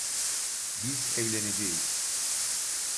Biz evleneceğiz.